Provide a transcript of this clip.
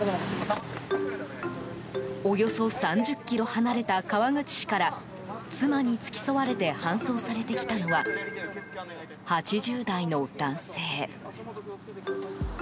およそ３０ｋｍ離れた川口市から妻に付き添われて搬送されてきたのは８０代の男性。